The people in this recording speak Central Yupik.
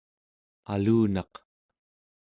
alunaq